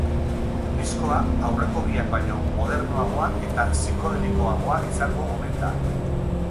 Diskoa aurreko biak baino modernoagoa eta psikodelikoagoa izango omen da.